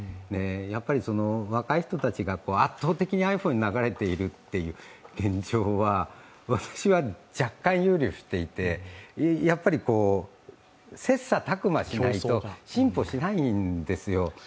やっぱり若い人たちが圧倒的にｉＰｈｏｎｅに流れているという現状は私は若干憂慮していて、切っさたく磨しないと進歩しないんですよ。